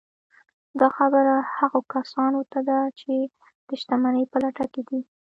دا خبره هغو کسانو ته ده چې د شتمنۍ په لټه کې دي